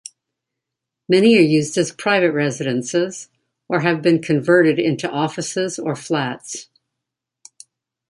Many are used as private residences, or have been converted into offices or flats.